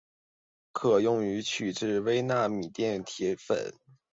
可用于制取微纳米级羰基铁粉。